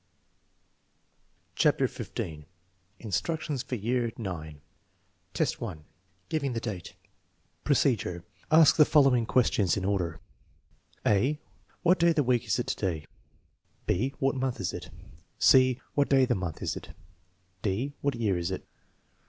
CHAPTER XV INSTRUCTIONS FOR YEAR IX ' IX, 1. Giving the date Procedure. Ask the following questions in order: (a) " What day of the week is it to day?" (20 "What month is tit" (c) "What day of the month is it?" (d) "What year is it?"